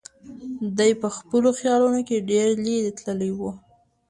دی په خپلو خیالونو کې ډېر لرې تللی و.